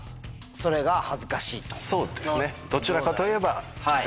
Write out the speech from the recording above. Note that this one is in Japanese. そうですね。